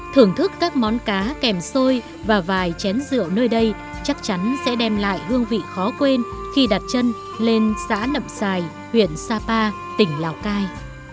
thưởng thức các món cá kèm xôi và vài chén rượu nơi đây chắc chắn sẽ đem lại hương vị khó quên khi đặt chân lên xã nậm xài huyện sapa tỉnh lào cai